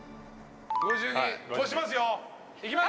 ５２超しますよ！いきます！